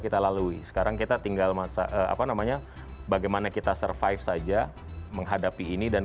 kita lalui sekarang kita tinggal masa apa namanya bagaimana kita survive saja menghadapi ini dan